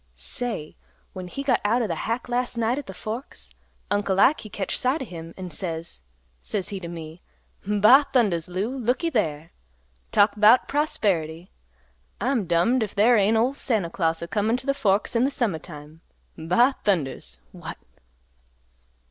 Say! When he got out of th' hack last night at th' Forks, Uncle Ike he catched sight o' him an' says, says he t' me, 'Ba thundas! Lou, looky there! Talk 'bout prosperity. I'm dummed if there ain't ol' Santa Claus a comin' t' th' Forks in th' summa time. 'Ba thundas! What!